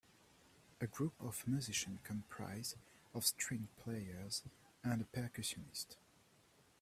A group of musician comprised of string players and a percussionist.